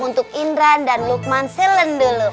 untuk indra dan lukman selen dulu